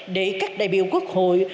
để các đại biểu quốc hội